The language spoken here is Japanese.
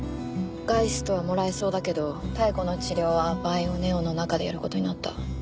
ガイストはもらえそうだけど妙子の治療はバイオネオの中でやることになった。